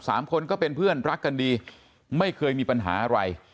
สามคนก็เป็นเพื่อนรักกันดีไม่เคยมีปัญหาอะไร